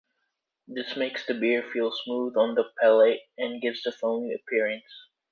This makes the beer feel smooth on the palate and gives a foamy appearance.